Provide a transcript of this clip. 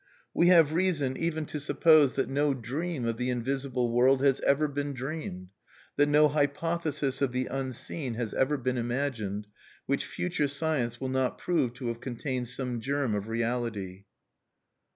We have reason even to suppose that no dream of the invisible world has ever been dreamed, that no hypothesis of the unseen has ever been imagined, which future science will not prove to have contained some germ of reality.